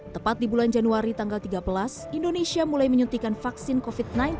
tepat di bulan januari tanggal tiga belas indonesia mulai menyuntikan vaksin covid sembilan belas